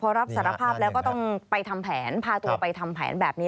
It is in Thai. พอรับสารภาพแล้วก็ต้องไปทำแผนพาตัวไปทำแผนแบบนี้